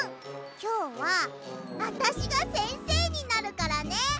きょうはあたしがせんせいになるからね。